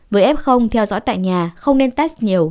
với f theo dõi tại nhà không nên test nhiều